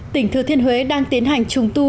tỉnh thừa thiên huế đang tiến hành trùng tu